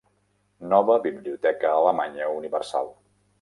Nova Biblioteca Alemanya Universal.